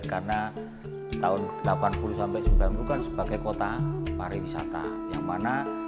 karena tahun delapan puluh sembilan puluh kan sebagai kota pariwisata yang mana